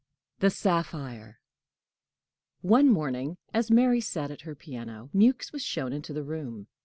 THE SAPPHIRE. One morning, as Mary sat at her piano, Mewks was shown into the room.